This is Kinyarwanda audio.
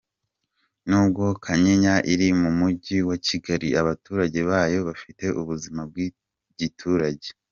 N’ubwo Kanyinya iri mu mujyi wa Kigali, abaturage bayo bafite ubuzima bw’igiturage.